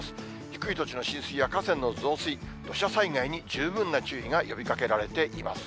低い土地の浸水や河川の増水、土砂災害に十分な注意が呼びかけられています。